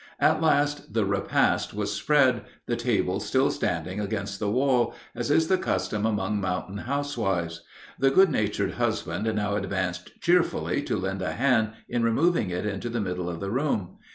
At last the repast was spread, the table still standing against the wall, as is the custom among mountain housewives. The good natured husband now advanced cheerfully to lend a hand in removing it into the middle of the room.